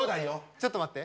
ちょっと待って！